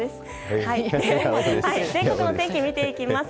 全国の天気を見ていきます。